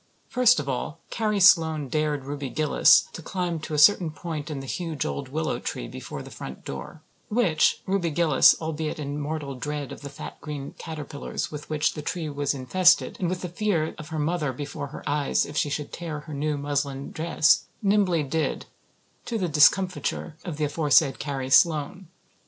First of all Carrie Sloane dared Ruby Gillis to climb to a certain point in the huge old willow tree before the front door; which Ruby Gillis, albeit in mortal dread of the fat green caterpillars with which said tree was infested and with the fear of her mother before her eyes if she should tear her new muslin dress, nimbly did, to the discomfiture of the aforesaid Carrie Sloane.